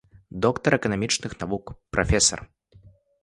Доктар эканамічных навук, прафесар.